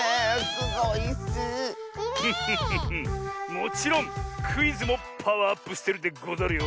もちろんクイズもパワーアップしてるでござるよ。